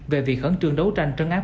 về việc khẩn trương đấu tranh trấn áp